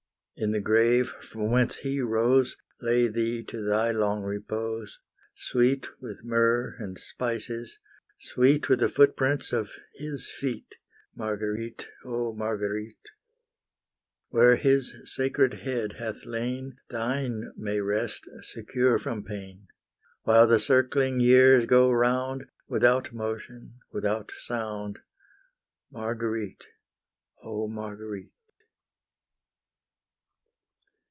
In the grave from whence He rose, Lay thee to thy long repose, Sweet with myrrh and spices, sweet With the footprints of His feet, Marguerite, oh Marguerite! Where His sacred head hath lain, Thine may rest, secure from pain. While the circling years go round, Without motion, without sound, Marguerite, oh Marguerite!